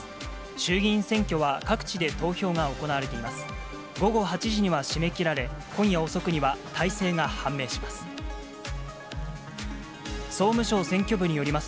衆議院選挙は、各地で投票が行われています。